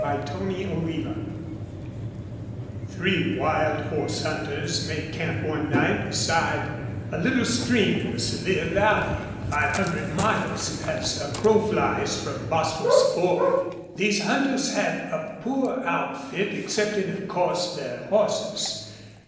CHAPTER IV Three wild horse hunters made camp one night beside a little stream in the Sevier Valley, five hundred miles, as a crow flies, from Bostil's Ford. These hunters had a poor outfit, excepting, of course, their horses.